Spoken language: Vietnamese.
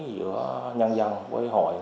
giữa nhân dân với hội